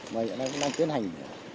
và hiện nay cũng đang tiến hành